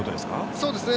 そうですね。